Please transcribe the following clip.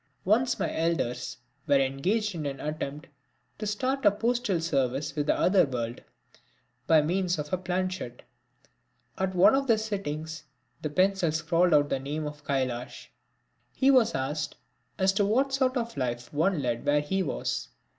Once my elders were engaged in an attempt to start a postal service with the other world by means of a planchette. At one of the sittings the pencil scrawled out the name of Kailash. He was asked as to the sort of life one led where he was.